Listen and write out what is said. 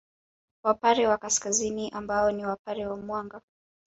Wapare wa Kaskazini ambao ni Wapare wa Mwanga